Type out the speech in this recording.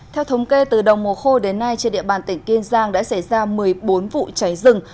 theo thống kê từ đồng mùa khô đến nay trên địa bàn tỉnh kiên giang đã xảy ra một mươi bốn vụ cháy rừng